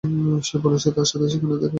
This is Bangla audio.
সে বলেছে তার সাথে সেখানে দেখা করতে।